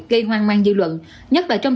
gây hoang mang dư luận nhất là trong